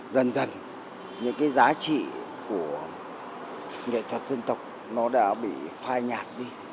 dần dần những cái giá trị của nghệ thuật dân tộc nó đã bị phai nhạt đi